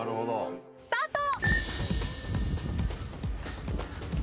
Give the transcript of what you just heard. スタート。